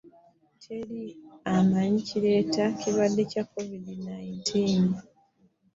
Teri amanyi kireeta kirwadde kya covid nineteen.